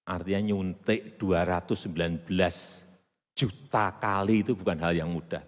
artinya nyuntik dua ratus sembilan belas juta kali itu bukan hal yang mudah